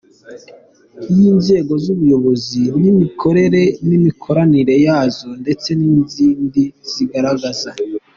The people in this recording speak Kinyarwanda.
y’inzego z’ubuyobozi n’imikorere n’imikoranire yazo, ndetse n’izindi zigaragaza